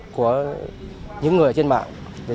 của những người trên mạng